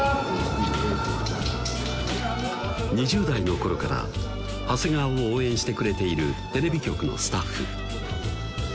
２０代の頃から長谷川を応援してくれているテレビ局のスタッフ